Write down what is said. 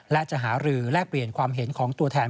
และจะหารือแลกเปลี่ยนความเห็นของตัวแทน